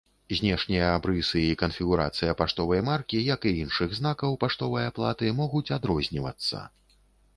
Знешнія абрысы і канфігурацыя паштовай маркі, як і іншых знакаў паштовай аплаты, могуць адрознівацца.